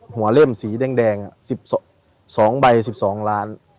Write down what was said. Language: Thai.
หัวเล่มสีแดงแดงสิบสองสองใบสิบสองล้าน